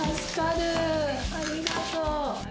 ありがとう。